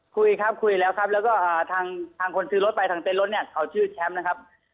คุยครับคุยแล้วครับแล้วก็ทางคนซื้อรถไปทางเต้นรถเนี่ยเขาชื่อแชมป์นะครับ